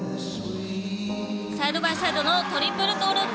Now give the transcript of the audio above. サイドバイサイドのトリプルトーループ。